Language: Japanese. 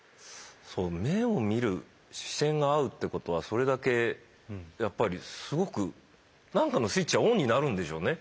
そう目を見る視線が合うってことはそれだけやっぱりすごく何かのスイッチがオンになるんでしょうね。